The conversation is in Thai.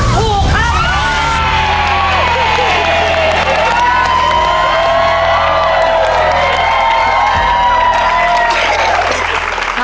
ถูกครับ